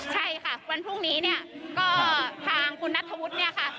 ใช่ค่ะวันพรุ่งนี้เนี่ยก็ทางคุณนัทธวุฒิเนี่ยค่ะ